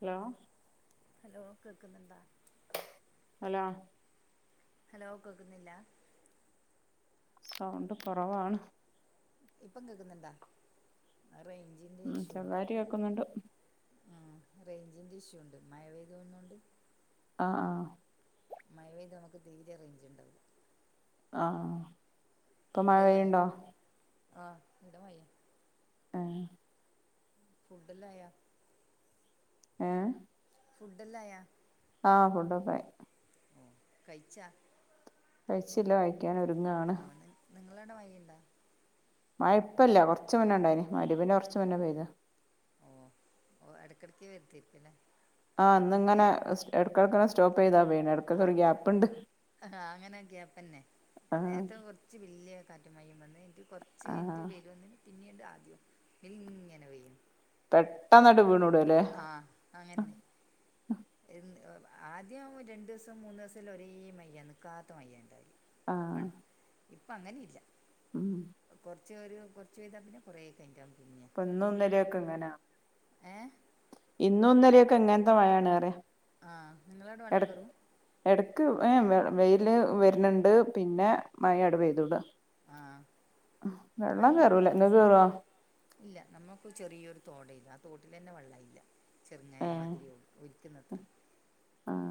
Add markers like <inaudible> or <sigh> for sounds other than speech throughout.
Hello hello കേൾക്കുന്നുണ്ടോ? Hello hello കേക്ക്ന്നില്ല sound കൊറവാണ് ഇപ്പം കേക്ക്ന്ന്ണ്ടാ റേഞ്ചിന്റെ ഉം ഇഷ്യൂണ്ട് ചെറുതായിട്ട് കേൾക്കുന്നുണ്ട് ആ റേഞ്ചിന്റെ ഇഷ്യുണ്ട് മഴ പെയ്തന്നുണ്ട് ആഹ് ആഹ് മഴ പെയ്ത അമക്ക് തീരെ റേഞ്ച്ണ്ടാവുല്ല ആ ഇപ്പം ഫുഡെല്ലാം ആയാ മഴപെയ്യ്ണ്ടോ ആഹ് ഇണ്ട് മഴെ ആഹ് ഫുഡല്ലാ ആയ ഏ ഫുഡല്ലായോ ആഹ് ഫുഡോക്കായി കഴ്ച്ചാ കഴ്ച്ചില്ല കയിക്കാനൊരുങ്ങാണ് നിങ്ങളടെ മയയ്യ്ണ്ട മഴ ഇപ്പല്ല കൊർച്ച് മുന്നെണ്ടായിന് മഗ്രിബിന് കൊർച്ച് മുന്നെ പെയ്താ ഓ ഓ എട്ക്കട്ക്ക് വര്ത്തിക്ക്ലെ ആ ഇന്ന്ങ്ങനെ എട്ക്കട്ക്കിങ്ങ സ്റ്റോപ്പയ്താ പെയ് ആ അങ്ങനെ ഗ്യാപ്പന്നെ ആഹ് നേരത്തെ കൊർ ച്ച് വെല്യ കാറ്റും മയിം വന്ന് ഇൻക്ക് കൊർച്ച് ആഹ് എഞ്ട്ട് വെരുന്ന് പിന്നീട് ആദ്യം ഇങ്ങനെ വെയ്യും പെട്ടെനാട് വീണൂടല്ലേ ആ അങ്ങന്നെ എന്ത്‌ ഉ ആദ്യം രണ്ട്സം മൂന്നുസംല്ല ഒരേ മയ്യ നിക്കാത്ത മയ്യെണ്ടാല് ആഹ് പൺ ഇപ്പ അങ്ങനില്ല ഉം ചൊരു കൊർചെയ്താ പിന്നെ കൊറേകയ്ഞ്ഞ്റ്റാ പ്പ ഇന്നു ഇന്നലൊക്കെങ്ങനാ ഏ ഇന്നും ഇന്നല്യൊക്കെ ങ്ങൻത്തെ മഴാണ്റയാ ആ നിങ്ങളടെ വള്ളം കേറും എടക്ക് ഏ വെ വെയ്ല് വെര്ന്ണ്ട് പിന്നെ മയാട് പെയ്ത്തൂട ആഹ വെള്ളം കേറൂല ങ്ങ കേറോ ഇല്ല നമ്മുക്ക് ചെറിയൊരു തോടെനു ആ തോട്ടിലന്നെ വെള്ളായില്ല ചെർങ്ങനമാതിരി ഒ കിന്നത് ആഹ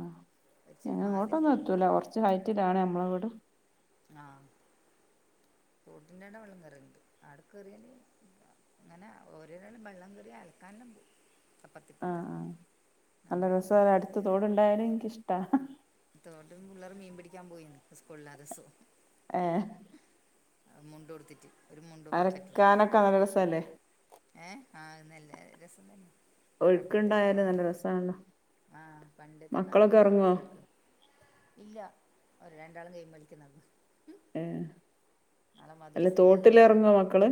ങ്ങ തോടുണ്ട് ഇങ്ങോട്ടൊന്നെത്തൂല കൊർച്ച് ഹൈറ്റിലാണ് അമ്മ വീട് ആഹ് തോട്ടിന്റടെ വെള്ളം കേറല്ണ്ട് ആട കേറിയാല് ങ്ങനെ ഓരെരാളും വെള്ളം കേറിയ അൽക്കാനൻല്ലാ ആഹ് ആല്ല നമ്മളൊന്നും രസാലെ പോക്കില്ല അട്ത്ത് തോടുണ്ടായാല് ൻക്കിഷ്ടാ ഹ് തോട്ട് പിള്ളേർ മീൻ പിടിക്കാൻ പോയിന്ന് സ്കൂൾല്ലാത ദിസം ഏ മുണ്ടുത്തിട്ട് ഒരു മുണ്ടും ബക്കറ്റുടുത്തിട്ട് അലക്കാനൊക്കെ നല്ല രസല്ലേ ഏഹ ആഹനല്ല രസം തന്നെ പണ്ടത്തെ കാല ഒഴുക്കുണ്ടായാല് അങ്ങനെ നല്ല രസാണല്ലോ ആഹ പണ്ടത്തെ കാല മക്കളൊക്കെ അങ്ങനെ ഒറങ്ങോ ആളട്ക്ക ഇല്ല ഒര് രണ്ടാളും ഗെയിം കളിക്ക്ന്നതാ ഏ അല്ല തോട്ട്ലെർങ്ങോ മക്കള്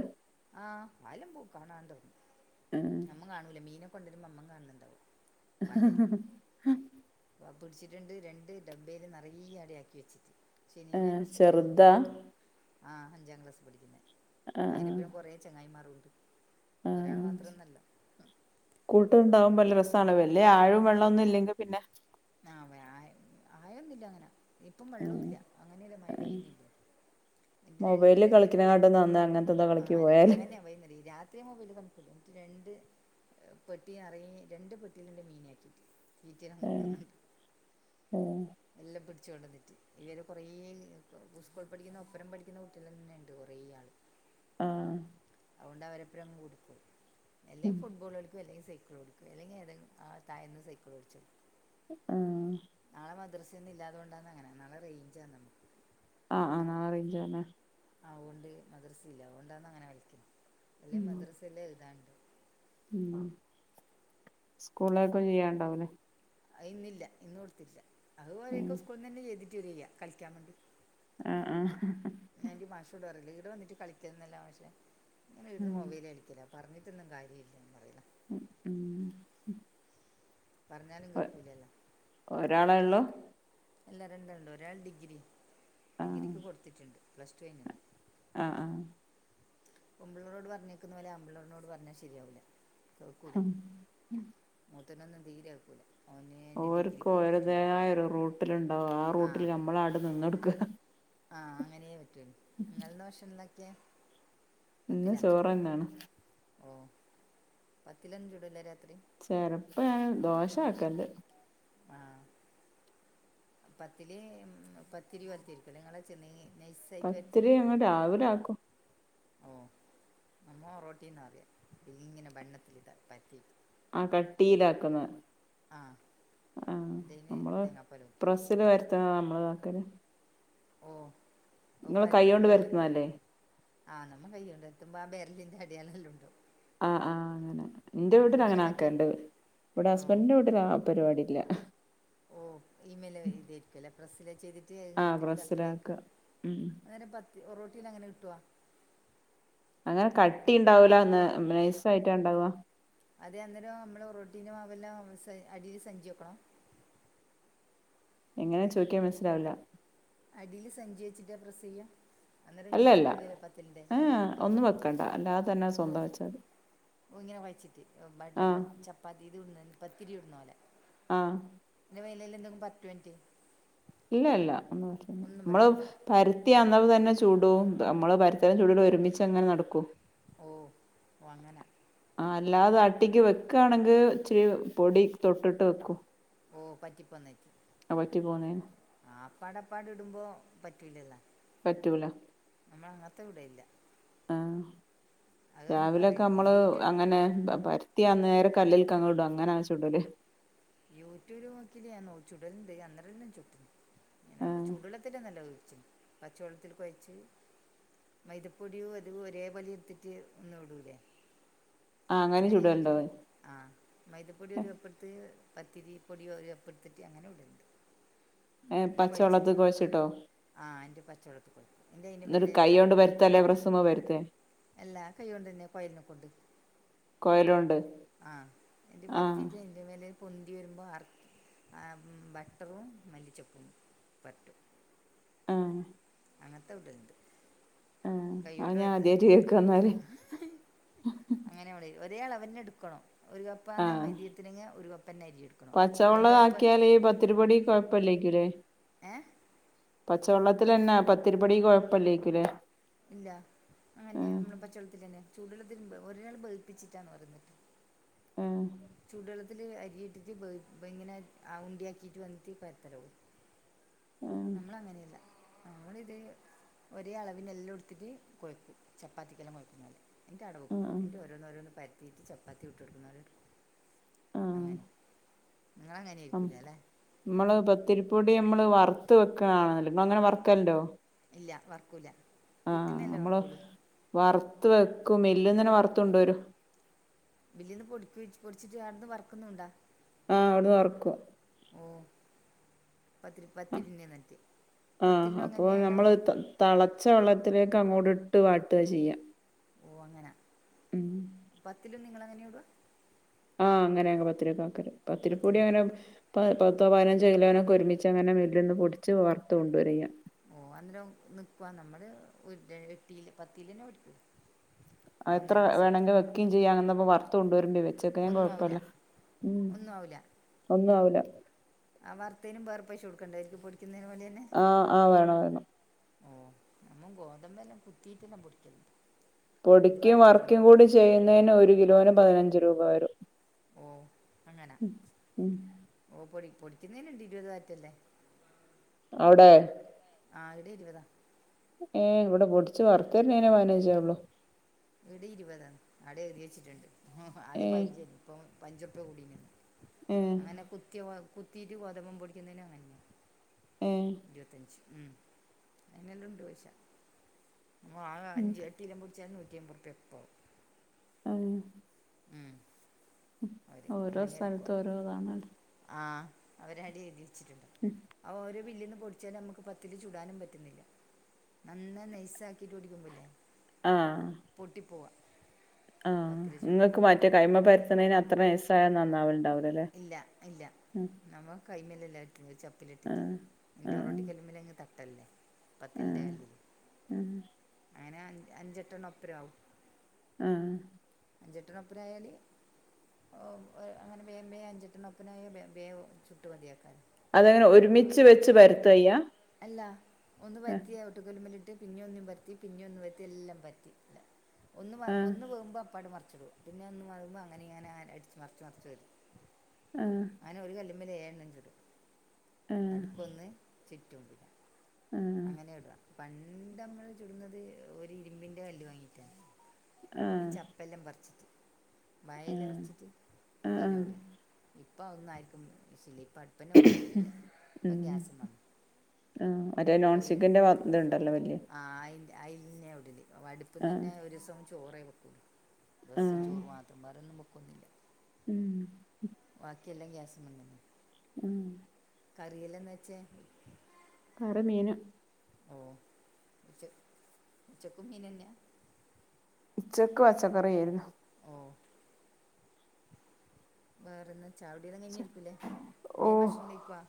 ആഹ് അയ്ല് മുക്കാണാതോ ഏഹ് നം മ്മും കാണൂല മീന് കൊണ്ടര്മ്മം കാണല്ണ്ടാവും പാട്ടെല് പ പിട്ച്ച്ട്ട്ണ്ട് രണ്ട് ഡബ്ബെല് നറയെ അടിയാക്കി വെച്ച് ശനിം ഏഹ് ഞായറും സ്കൂളിൽ ഇല്ല് ചെറുതാ ഉണ്ടാവില്ലേ ആ അഞ്ചാം ക്ലാസ്സ് പഠിക്കുന്നെ ആഹ് അതിനപ്പറം കുറേ ചെങ്ങായിമാർും ഉണ്ട്. ആഹ് ഒരാള് ആഹ് മാത്രംന്നല്ല കൂട്ടുണ്ടാവുമ്പോ ല്ല രസാണ് വല്യ ആഴവും വെള്ളന്നും ഇല്ലെങ്കിൽ പിന്നെ ആ ആയൊന്നില്ല അങ്ങനെ ഇപ്പം വെള്ളൂ ഉം ല്ല അങ്ങനെയല്ല മഴ പെയ്യുന്നില്ല എ മൊബൈലിൽ രണ്ട് വടം കളിക്കണകാട്ടും നന്ന് അങ്ങനത്തെന്തോ കളിക്ക് ആര് പോയാല് അങ്ങനെയ പോൈുന്ന രാത് പ്രത്രയയും മൊബൈൽ തണുപ്പില്ല രണ്ട് പെട്ടി ന്നറയെ രണ്ട് പെട്ടിയിലൻ്റെ മീന ആക്കിയിട്ട് തീറ്റീനും കൊടുക്കും ഏഹ് ഏഹ് എല്ലാം പിടിച്ച കൊണ്ട്ന്നട്ട് ഇതുവരെ കുറേ സ്കൂൾ പഠിക്കുന്ന ഒപ്പരം പഠിക്കുന്ന കുട്ടികൾ ന്നെ ഉണ്ട് കുറെേ ആൾ ആഹ് അതൊണ്ട് അവരെപ്പോഴുംങ് കൊടുക്കും ഉം എല്ലേങ്ക ഫുട്ബോൾ കളിക്കും എല്ലങ്ക സൈക്കിൾ ഓടിക്കും ഇല്ലെങ്കി ആ തായെന്നു സൈക്കിൾഓടിച്ചോ ആഹ നാളെ മദ്രസന്ന ഇല്ലാത കൊണ്ടാന്ന അങ്ങനെ നല്ല റേഞ്ച്ണ് നമ്മക്ക് ആഹ് ആാ അറേഞ്ച് തന്നെ അഓണ്ട് മദ്രസയില്ല അഓണ്ടാന്ന് ന് അങ്ങനെ കളിക്കുന്നെ അല്ല മദ്രസല്ലേ എഴുതാണ്ട് ഉ സ്കൂളേക്കും ചെയ്യാണ്ടാവലേ അഇന്നില്ല ഇന്ന് കൊടുത്തില്ല ഉം അതുപോലരെയൊക്കെ സ്കൂിൽന്ന് തന്നെ ചെയ്തിട്ട് വരിക കളിക്കാൻ വേണ്ടി ആഹ ആഹ എൻ്റെ മാഷോടാറില്ല ഇത് വന്നിട്ട് കളിക്കുന്ന എന്നല്ല മഷേ ങ്ങന ഇടുന്ന് ഉം മൊബൈല് കളിക്കില്ല. പറഞ്ഞിട്ടൊന്നും കാര്യം ഇല്ലന്ന് പറയില്ലേ?. ഉം പറഞ്ഞാലും ഒ കേക്കുല്ലല്ലോ. ഒരാളെ ഉള്ളു അല്ല രണ്ടാൾ. ഒരാൾ ഡിഗ്രി, ആഹ് ഡിഗ്രിക്ക് കൊടുത്തിട്ടുണ്ട്. പ്ലസ് ടു കഴിഞ്ഞതാ ആ ആ പെമ്പിളാരോട് പറഞ്ഞിക്കുന്ന പോലെ, അമ്പിളറിനോട് പറഞ്ഞാ ശരിയാകൂല്ല. കേൾക്കൂല. മൂത്തനൊന്നും തീരെ കേൾക്കുല. ഓർക്കും ഒരിതോയരു റൂട്ടിലുണ്ടാവും. ആ റൂട്ടിൽ നമ്മള്ങ്ങടെ നിന്നുകൊടുക്കുക. ആഹ് അങ്ങനെയേ പറ്റൂ നിങ്ങൾന്ത ഭക്ഷന്തൊക്കെ ഇന്ന് ചോറന്നാണ്. ഓ പത്തിലൊന്ന ചൂടല്ലേ രാത്രി ചെറപ്പ ഞാൻ ദോശ ആക്കാറുണ്ട്. ആഹ പത്തില് പത്തിരിക്ക പോലെ നിങ്ങളെ ചെന്ന് നൈസ് പത്തിരി അങ്ങ് രാവിലെ ആക്കും ഓ നമ്മോ റോട്ടീന്ന് പറയ. ഇ ഇങ്ങനെ ബണ്ണത്തിൽ ഇതാ പത്തി ആ കട്ടിയിലാക്കുന്ന ആ ആ ഇതിന് നമ്മള് തേങ്ങാപ്പാൽ നോക്കി പ്രസ്സ് വരുത്തുന്ന നമ്മള്താക്കല് ഓ ഓ പ കൈകൊണ്ട് ഓ വരുത്തുന്നതല്ലേ ആ നമ്മ കൈയ് കൊണ്ടടിത്തുമ്പോ ആ ബെരലിന്റെ അടിയാളങ്ങൾ എല്ലാം ഉണ്ടാവും. ആ ആ അങ്ങനെ എന്റെ വീട്ടിൽ നിങ്ങൾ അങ്ങനെ മറ്റേ ആക്കണ്ട്. ഇവിടെ ഓ ഹസ്ബൻഡിന്റെ വീട്ടിൽ ആ പരിപാടിയില്ല. ഓ ഇമെയിൽ ഇതരിക്കുവല്ലേ പ്രസ്സില് ചെയ്തിട്ട് പത്തി ആഹ് എടുത്തിട്ട് പ്രസ്സിലാക്ക തട്ടിലേക്കും ഉം അന്നേരം പത്തി ഒറോട്ടിൽ അങ്ങനെ കിട്ടുവോ? അങ്ങനെ കട്ടി ഉണ്ടാവൂല. നൈസായിട് ഉണ്ടാവുവ അതെ അന്നേരം നമ്മള് റോട്ടീനും അവെല്ലാം അടിയിൽ സഞ്ചു വെക്കണം. എങ്ങനെ ചോദിക്കിയാ മനസ്സിലാവില്ല അടിയില് സഞ്ചി വെച്ചിട്ടാ പ്രസ്സ് ചെയ്യാ അന്നേരം അല്ല ഇങ്ങ് അല്ല കിട്ടൂലല്ലോ പത്തിൻ്റെ. അന്നേരം ഏഹ് കിട്ടു ഒന്നും പത്തിന് വെക്കണ്ട അല്ലാതെ തന്നെ സ്വന്തം വെച്ചാ മതി ഓ ഇങ്ങനെ കൊഴച്ചിട്ട് മറ്റെ ആഹ് പത്തിരി ചപ്പാത്തി ഇത് ഇ പത്തിരി ചുടുന്ന പോലെ ആഹ് എന്റെ വേലൽ എന്തെങ്കും പത്ത് മിനിറ്റ്. ഇല്ല ഇല്ല ഒന്ന് ഒന്നും മ്മള് പറ്റൂല പരത്തിയാന്നേരം തന്നെ ചുടും നമ്മള് പര്ത്തലും ചുടലും ഒരുമിച്ച് അങ്ങനെ നടക്കോ. ഓഹ് വങ്ങനെ ആ അല്ലാതെ അട്ടിക്ക് വെക്കാണെങ്കിൽ ഇച്ചിരി പൊടി തൊട്ടിട്ട് വെക്കും. ഓഹ് പറ്റിപ്പന്നേ ആ പറ്റി പോന്നേ ആ അപ്പാടപ്പാട് ഇടുമ്പോ പറ്റൂലല്ലോ. പറ്റൂല. നമ്മള് അങ്ങൻത്തെ വിടല്‌ല്ല. ആ രാവിലൊക്കെ നമുക്കറിയില്ല നമ്മള് യൂട്യൂബ് അങ്ങനെ പ പര ത്തി അന്നേര കല്ലിൽകങ്ങ് ഇടും അങ്ങനാ ചുടല്. യൂട്യൂബില് നോക്കി ഞ നോ ചുടല്ണ്ട് അന്നേരം ചു ആ ഇങ്ങനെ ചുടള്ളത്തിലൊന്നല്ല കൊഴ്‌ചെ പച്ചവെള്ളത്തിൽ കൊഴച്ച് മൈദപ്പൊടിയും അത് ഒരേ പോലെ ട്ത്തിട്ട് ഒന്നും ഇടൂല്ലേ? ആ അങ്ങനെ എങ്ങൻജ് ചുടലുണ്ടോ ആ മൈദപ്പൊടി ഒരു കപ്പ് എട്ത്ത് പത്തിരി പൊടി ഒരു കപ്പ് എട്ത്തിട്ട് അങ്ങനെ ഇ <unintelligible> ഏ ദ് കൊഴച്ചിട്ട് പച്ചവെള്ളത്തിൽ കുഴച്ചിട്ടോ ആ ന്റെ പച്ചവെള്ളത്തിൽ കൊ എന്റെ അയിൻ്റെ എന്നിട്ട് മേലേല് കൈ വട്ട കൊണ്ട് പരുത്തല്ലേ പ്രസ്സുമ്മേ പരുത്തേ എല്ലാ കൈ കൊണ്ടന്നേ കൊയലിനെ കൊണ്ട്. കൊയലോണ്ട് ആഹ് എന്റെ ആ പരത്തീട്ട് എന്റെ മേല പൊന്തി വരുമ്പോൾ അർ ആ ഉം ബട്ടറും മല്ലിച്ചപ്പും ബട്ട് ആഹ് അങ്ങൻത്തെതുണ്ട് ആ അത് ഞാൻ കൈയ്യോണ്ട് ആദ്യായിട്ട് കേൾക്കാ എന്നാല് <unintelligible> അങ്ങനെടെ ഒരേ അളവെന്നെടുക്കണം ഒരു കപ്പാന്ന് മയ്ദിത്തിനങ്ങി ഒരു കപ്പ് പന്നരിയിടും പച്ചവെള്ള ആക്കിയാല് ഈ പത്തിരിപൊടി കൊഴപ്പല്ലേക്കുലേ ഏഹ് പച്ചവെള്ളത്തിലന്നാ പത്തിരിപ്പൊടി കൊഴപ്പല്ലേക്കുലേ ഇല്ല അങ്ങനെയാ നമ്മുടെ പച്ചോള്ളത്തിൽന്നെ ചൂടോള്ളത്തിൽ ഒരേൾ വേൽപ്പിച്ചിട്ടാന്ന് പറഞ്ഞിട്ട് ഏഹ് ചൂടള്ളത്തില് അരിയി ഇട്ടിട്ട് ഇങ്ങനെ ആ ഉണ്ടിയാക്കിയിട്ട് വന്നിട്ട് പരത്തലൊള്ളൂ ആഹ് നമ്മളങ്ങനെയല്ല നമ്മളിത് ഒരേ അളവി്നെല്ലംട്ത്ത്ട്ട് കൊഴക്കും ചപ്പാത്തിക്കെല്ലാം കൊഴക്കുന്നോലെ എൻ്റെ അടവും ആഹ് എൻ്റെ ഓരോന്ന ഓരോന്ന് പര്ത്തീട്ട് ചപ്പാത്തി ഇട്ട്ട്‌ക്ക് ണോര് ആഹ് അങ്ങനെ ഞങ്ങളങ്ങനെ ഇരിക്കൂല ല്ലെ മ്മള് പത്തിരിപ്പൊടി നമ്മള് വറുത്ത് വെക്കാണല്ലോ അങ്ങനെ വറക്കല്ണ്ടോ ഇല്ല വർക്കൂല ആഹ് നമ്മള് വറുത്ത് വെക്കും മില്ല് ന്നെന്നെ വറുത്ത് കൊണ്ട് വരും ബില്ല്ന്ന് പൊടിപ്പിച്ച് പൊടിച്ചി്ട്ടവട്ന്ന് വറക്കുന്നുണ്ടാ ആ അവ്‌ട്ന്ന് വറക്കും ഓഹ് പത്തിരി പത്തിരിൻ്റെ നറ്റ് പത്തിൽ ആഹ് അപ്പൊ നൊങ്ങന്നെണ്ടാവ നമ്മള് തളച്ച വെള്ളത്തിലേക്ക് അങ്ങോട്ട് ഇട്ട് വാട്ടാ ചെയ്യാ ഓഹ് അങ്ങന ഉം പത്തിലും നിങ്ങളങ്ങനെ ഇട ആഹ് അങ്ങനെ അങ് പത്തിരിയൊക്കാക്കല് പത്തിരിപ്പൊടി പത്തിലോ അങ്ങനെ ഇപ്പ പത്തോ പതിനഞ്ചോ കിലോനൊക്കെ ഒരുമിച്ച ങ്ങനെവീട്ടിൽന്ന് പൊടിച്ച് വറുത്ത് കൊണ്ട് വരാ ചെയ്യ ഓഹ് അന്നേരം നിക്ക്വാ നമ്മള് ഒരു എട്ട് കിലോ പത്ത് ലേനെ <unintelligible> എത്ര വേണങ്കി വെക്ക്യും ചെയ്യാന്നർ ഞ്ഞപ്പോ വർത്തു കൊണ്ട വരുണ്ട വെച്ചൊക്ക ഞാൻ കൊഴപ്പല്ല. ഒന്നുആവൂല ഒന്നുആവൂല ആ വർത്തേനും വേറെ പൈശ കൊടുക്കണ്ടേ ത് പൊട്‌ക്കുന്നതിന് വേണ്ടി തന്നെ ആഹ് ആഹ് വേണം വേണം ആഹ് നമ്മ ഗോതമ്പന്നെ കുത്തീട്ട്ന്നാ പൊടിക്കും പൊടിക്കിം വർക്കും കൂടി ചെയ്യുന്നതിന് ഒരു കിലോതിന് പതിനഞ്ച് രൂപ വരും ഓ അങ്ങനെ ഉം ഓ പൊടി പൊടിക്കുന്നതിന് ഇണ്ട് ഇരുപത് ആറ്റല്ലെ ഔടെ ആഹ്അഹ്ടെ ഇരുപതാ ഏഹ് ഇവടെ പൊടിച്ച് വറ്ത്തെര്ന്നേന് പയ്നെഞ്ചെ ഒള്ളൂ ഇവടീ ഇരുപതാണ്. ഔടെ എയ്ത്യെച്ചിട്ട്ണ്ട്. അതേ ഏഹ് പൈനഞ്ചേ നി ഇപ്പ പയ്ഞ്ചപ്പ <unintelligible> കൂടീണ്ന്ന് ഏഹ് അങ്ങനെ കുത്തിയ കുത്തീട്ട് ഗോതമ്പം പൊടിക്കുന്നതിനും അങ്ങനെന്നെ ഉം ഇരുപത്തഞ്ച് ഉം അയ്നെല്ലാം ഉണ്ടൊയ്ച. ആഹ് <unintelligible> ഉം അഞ്ച് എട്ട് ത്തിലൊമ്പൊടിച്ചാ നൂറ്റി അമ്പത് ഉറ് പ്യ ആഹ് ഉം ഓരോ സൽത്തും ഓരോതാണല്ലൊ ആഹ് അവര് അടി എഴുത്യച്ചിട്ട്ണ്ട് ഉം ആഹ് ഒരു മില്ലിന്ന് പൊടിച്ചെ ഞമക്ക് പത്തിരി ചൂടാനും പറ്റുന്നില്ല നന്നായി നെയസ്സാ ക്കിട്ട് പൊടിക്കുമ്പല്ലേ. ആഹ് പൊട്ടിപ്പോവാ ആഹ്. ഇങ്ങക്ക് മറ്റേ കൈമ പര്ത്ത്ണേന് അത്ര നയ്സായ നന്നാവല്ണ്ടല്ണ്ടാ ഇല്ല ഇല്ല നമ്മ കൈമലെല്ലെ <unintelligible> ചപ്പ ത്തിലിട്ടിട്ട് ആഹ് ഇന്റെ ആഹ് ഒറോട്ടിക്കല് മല്ങ്ങ് തട്ടെല്ലേ ആഹ് പത്തിലിന്റെകല്ലില് ആഹ് അങ്ങനെ അഞ്ചെട്ടെണ്ണം ഒപ്പരാവും ഉം അഞ്ചെട്ടണ്ണം ഒപ്പരായാല് ഒ <unintelligible> അങ്ങനെ വേവേ അഞ്ചെട്ടണ്ണൊപ്പനായ ബേബേ ചുട്ടുമതിയാക്കാലൊ അതങ്ങനെ ഒരുമിച്ച് വെച്ച് പരത്തയ്യ അല്ല ഒന്ന് വറ്റിയ ഓട്ട് കല്ല്മല്ലിട്ട് പിന്നെ ഒന്നും പരത്തി പിന്നെ ഒന്ന് പര ത്തി എല്ലാം പരത്തി ഒന്ന് ആഹ് ഒന്ന് വേ വുമ്പോ അപ്പാണ്ട് മറ്ച്ചിടും പിന്നെ ഒന്ന് മറയുമ്പോഅങ്ങനെ ഇങ്ങാൻ അട്ച്ച്മറ്ച്ച് മറ്ച് വരും ഏഹ് അങ്ങനെ ഒരു കല്ല്മ്മല് ഏയണ്ണം ചു ടും ആഹ് നടുക്കൊന്ന് <unintelligible> ആഹ് അങ്ങനെ ഇട പണ്ട് അമ്മള് ചുടുന്നത് ഒരു ഇരുമ്പിന്റെ കല്ല് വാങ്ങീറ്റഈ ആഹ് ച ബലം വർച്ചിട്ട് വയല ആഹ് വറ്ച്ചിട്ട് ആഹ് അയ്ല് ഇടും ഇപ്പ അഒന്നും ആര്ക്കും ശില ഇപ്പോ ആഹ് വൊന്തിക്കെ ഇല്ല ഇപ്പ ഗ്യാസ് മേ ഉം മറ്റേ നോൺസ്റ്റിക്കിൻ്റെപാത് ഇതു ണ്ടല്ലോ ല്യെ ആഹ് അയ്ന്റെ അന്നെ ഇടൽ ആഹ് അട്പ്പ്ന്നന്നെ ഒരീസംചോറേ വെക്കൊള്ളൂ റസ്സ് ആഹ് ചോറ് മാത്രം വേറോന്നുംവെ ക്കൊന്നുല്ല ഉം വാക്കിയെല്ല ഗ്യാസമന്ന്ന്നെ ഉം കറികളെന്നച്ചേ കറി മീന് ഓ ഉച്ച ഉച്ചക്കും മീനെന്നെ ഉച്ചക്ക് പച്ചക്കറിഏര്ന്നു വേറെന്ന ചായടീ എല്ലാം കഴിഞ് ഇരിക്കുല്ലേ. വേം വക്ഷണം കഴിക്ക്വാ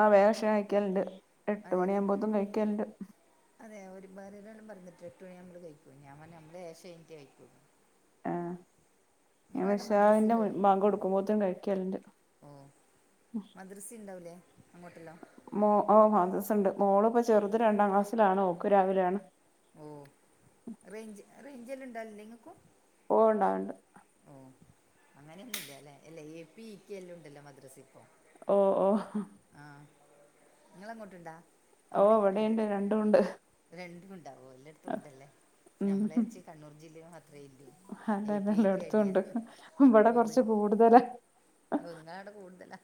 ആ വേ വിഷം കഴിക്കെല്ണ്ട്. എട്ട് അതായത് മണിയാമ്പോത്തും കഴിക്കെൽണ്ട് അതെ ഒരുപേരാരളും പറഞ്ഞിട്ട് എട്ട് മണി മ്പള് കഴിക്കോ ഞാൻ പറ നമ്മള് ഏഷകയിഞ്ഞ്ട്ടെ കഴിക്കോളൂ മദ്രസ ഞങ്ങഇഷാവിന്റെ ഉണ്ടാവില്ലേ മുമ്പ് ബാങ്ക്കൊടുക്കുമ്പോ കഴിക്കല്ണ്ട് ഓ മദ്റസ ഉണ്ടാലേ അങ്ങോട്ട്ള്ള മോ ഓ മദ്റസഉണ്ട് മോള് പ്പോ ചെറുത് രണ്ടാം ക്ലാസ്സിലാണ് ഓക് രാവിലെ ആണ് ഓ റേഞ്ച് റേഞ്ചനെണ്ടലില്ല നിങ്ങക്കും ഓ ഉണ്ട വണ്ട് അങ്ങനെന്നുല്ലല്ലെ അല്ല എപി ഇക്കെ എല്ലാം ഉണ്ടല്ലോ മദ്രസി ഇപ്പോ ഓ ഓ ആഹ് നിങ്ങള്ട്ടുണ്ടാ ഓ ഇവിടെണ്ട് രണ്ടുഉണ്ട് രണ്ടും ഉണ്ടാവോ എല്ലാടത്തും ഉണ്ടല്ലേ നമ്മളെവച്ച് കണ്ണൂർ ജില്ലമാത്രേല്ല അതെ തെ എല്ലാടുത്തുണ്ട് വിടെ കൊറച്ച് കൂടുതല ഓനിങ്ങടെകൂടുതലാ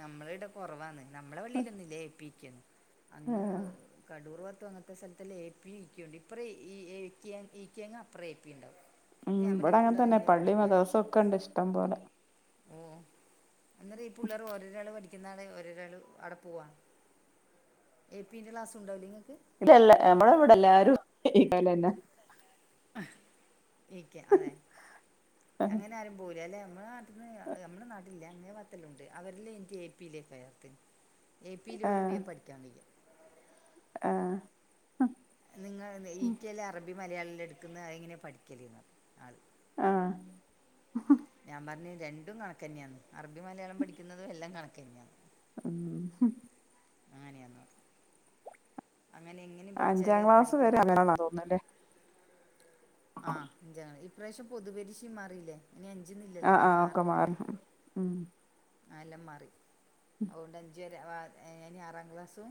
നമ്മളെ ടെ കൊറവാന്ന് നമ്മളെ പള്ളിയിലൊന്നുംഇല്ലഏ പ്പിക്കെന്നും അങ്ങ് ഉം അടൂർ വാത്തും അങ്ങനത്തെ സ്ഥലതല്ലെ എപി ഈക്കണ്ട് ഇപ്പറ ഈ ഈങ്ങ അപ്പറേ എപിണ്ടാവും ഉം വടെ അങ്ങനെ തന്നെ പള്ളി മദ്‌റ സഒക്കെണ്ട് ഇഷ്ടം പോലെ ഓഅന്നേരം ഈ പിള്ളോർ ഓരോരാള് പഠി ന്നാണ് ഒരൊരാള് അവിടെ പോവാണ് എപിൻ്റെ ക്ലാസ്സുണ്ടാവില്ലങ്ങക്ക് ഇല്ലല്ല നമ്മടെ ഇവിടെല്ലേരുംഈ കയ്ലന്നെ ടിക്കെ അതെ ആഹ് അങ്ങനെ ആരും പോവുലല്ലേ നമ്മളെ നാട്ട്ന്ന് അത് നമ്മളെ നാ ഇല്ല അങ്ങെ പാത്തെല്ലുണ്ട് അവരിൽ എനിക്ക് എ പി യി <unintelligible> എ പി യിൽ ഓൽ വേം പഠിക്കാൻ കയ്യും ആഹ് നിങ്ങൾത് ഇ കെല് അറബി മലയാളല്ലെ എടുക്കുന്നെ അയെങ്ങനെ പഠിക്കല്ന്ന് ആൾ ആഹ് ഞാൻ പറഞ്ഞ് രണ്ടും കണക്കെന്നെയാന്ന് അറബി മലയാളം പഠിക്കുന്നതും എല്ലാം കണക്കെന്നെയാ ഉം അങ്ങനെയാന്നോ അങ്ങനെ എങ്ങനെയും അഞ്ചാം പഠിച്ചാല് ക്ലാസ് വരെ പഠിക്കണ്ടല്ലോ അങ്ങനാണോ തോന്നുന്നല്ലേ ആഹ് അഞ്ചാണ് ഇപ്രാവശ്യം പൊതു പരിക്ഷയും മാറിയില്ലേ ഇനി അഞ്ചിനില്ലല്ലോ ആഹ് ഇനി ആഹ് ഒക്കെ മാറി ആറ്ന്നല്ലേ ഉം ആ എല്ലം മാറി അതുകൊണ്ട് അഞ്ച് ഇനി ആറാം ക്ലാസ്സും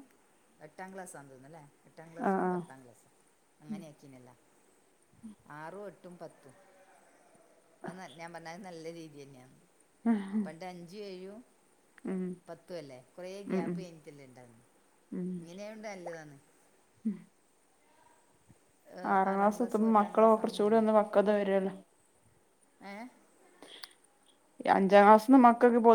എട്ടാം ക്ലാസാതോന്നല്ലേ എട്ടാം ആഹ് ക്ലാസ്സും ആഹ് പത്താം ക്ലാസ്സും അങ്ങനെ ആക്കീനല്ല ആറും എട്ടും പത്തും അത് ന ഞാൻ പറഞ്ഞത് നല്ല രീതിയെന്നെയാ പണ്ട് അഞ്ചും ഏഴും ഉം പത്തു അല്ലേ കൊറെ ഉം ഉം ഗ്യാപ്പ് കഴിഞ്ഞിട്ടല്ലേ ണ്ടാവുന്നെ ഇങ്ങനെയായോണ്ട് നല്ലതാന്ന് ഉം ആറാം ആറാംക്ലസെത്തുമ്പോ ക്ലാസ്സും എട്ടാം മക്കളെ ക്ലാസ്സും ആവുമ്പം കുറച്ചുകൂടി ഒന്ന് പക്കൊതാ വരുഅല്ലോ ഏ അഞ്ചാം ക്ലാസ്സ്ന്ന് മക്കക്ക് പോ